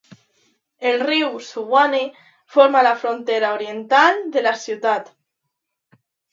El riu Suwannee forma la frontera oriental de la ciutat.